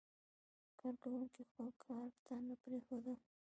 کارکوونکي خپل کار ته نه پرېښودل.